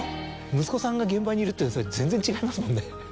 息子さんが現場にいるって全然違いますもんね。